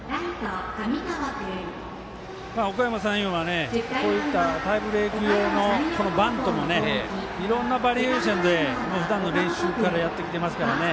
おかやま山陽はこういったタイブレーク用のこのバントもいろんなバリエーションでふだんの練習からやってきてますから。